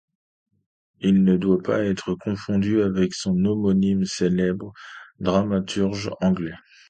Il ne doit pas être confondu avec son homonyme, célèbre dramaturge anglais.